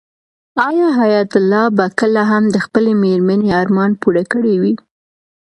آیا حیات الله به کله هم د خپلې مېرمنې ارمان پوره کړی وي؟